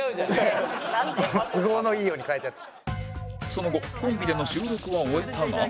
その後コンビでの収録は終えたが